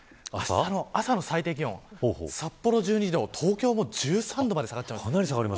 朝の最低気温札幌１２度、東京も１３度まで下がります。